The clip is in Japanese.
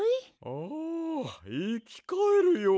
ああいきかえるようだわ。